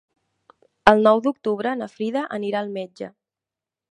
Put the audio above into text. El nou d'octubre na Frida anirà al metge.